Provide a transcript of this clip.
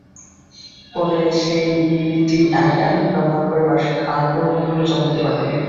পরে সেই ই-টিআইএন ব্যবহার করে বার্ষিক আয়কর বিবরণী জমা দিতে পারবেন।